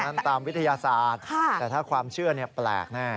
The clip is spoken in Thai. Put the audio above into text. ตามวิทยาศาสตร์แต่ถ้าความเชื่อแปลกแน่